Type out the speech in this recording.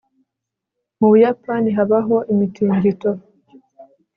mu buyapani habaho imitingito